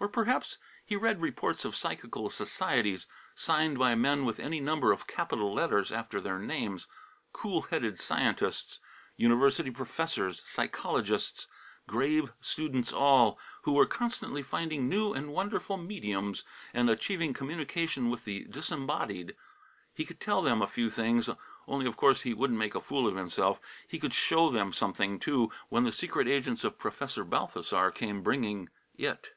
Or, perhaps, he read reports of psychical societies, signed by men with any number of capital letters after their names: cool headed scientists, university professors, psychologists, grave students all, who were constantly finding new and wonderful mediums, and achieving communication with the disembodied. He could tell them a few things; only, of course, he wouldn't make a fool of himself. He could show them something, too, when the secret agents of Professor Balthasar came bringing It.